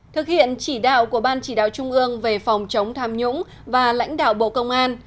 thực hiện chỉ đạo của ban chỉ đạo trung ương về phòng chống tham nhũng và lãnh đạo bộ công an